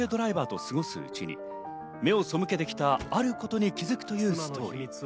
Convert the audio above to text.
ドライバーと過ごすうちに目を背けてきたあることに向き合うというストーリー。